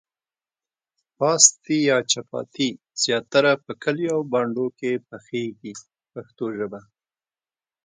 پاستي یا چپاتي زیاتره په کلیو او بانډو کې پخیږي په پښتو ژبه.